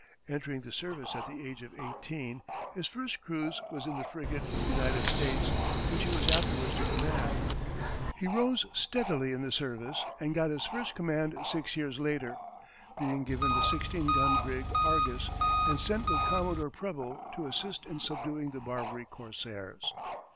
Entering the service at the age of eighteen, his first cruise was in the frigate, United States, which he was afterwards to command. He rose steadily in the service and got his first command six years later, being given the sixteen gun brig Argus, and sent with Commodore Preble to assist in subduing the Barbary corsairs.